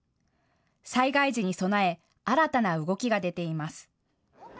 災害時に備え新たな動きが出ています。